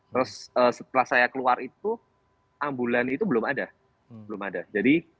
terus setelah saya keluar itu ambulan itu belum ada belum ada